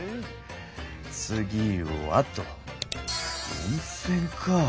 次はと温泉か。